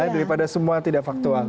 daripada semua tidak faktual